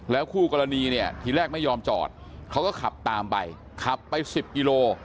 คู่กรณีเนี่ยทีแรกไม่ยอมจอดเขาก็ขับตามไปขับไป๑๐กิโล